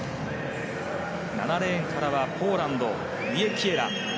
７レーンからはポーランドのウィエキエラ。